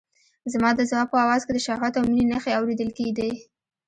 زما د ځواب په آواز کې د شهوت او مينې نښې اورېدل کېدې.